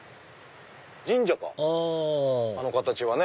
神社かあの形はね。